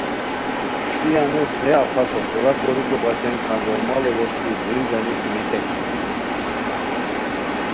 ای انوس ہے افسو پورا کوریکو بچین کھانجوڑ ماڑیو ویݰکی دریل گانیٍ ٍٍٍٍٍٍٍٍٍٍٍٍٍٍٍٍٍٍٍٍٍٍٍٍٍٍٍٍٍٍٍٍٍٍ اولیتائے